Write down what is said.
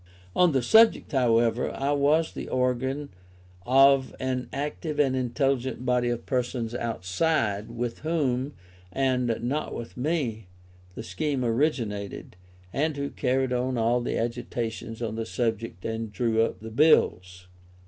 On this subject, however, I was the organ of an active and intelligent body of persons outside, with whom, and not with me, the scheme originated, and who carried on all the agitation on the subject and drew up the Bills.